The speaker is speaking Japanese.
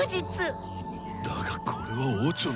だがこれはオチョの。